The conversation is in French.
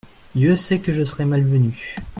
Dieu sait que je serais mal venu …!